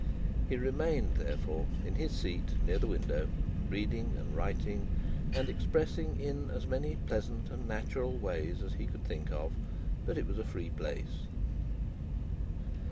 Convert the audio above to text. He remained, therefore, in his seat near the window, reading and writing, and expressing in as many pleasant and natural ways as he could think of, that it was a free place.